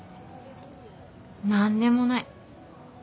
何でもない。